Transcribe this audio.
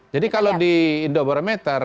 jadi kalau di indobarometer